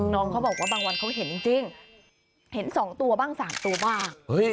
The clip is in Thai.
น้องเขาบอกว่าบางวันเขาเห็นจริงเห็น๒ตัวบ้าง๓ตัวบ้าง